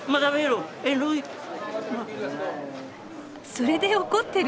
それで怒ってる。